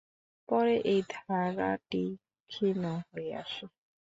পরে এই ধারাটি ক্ষীণ হয়ে আসে।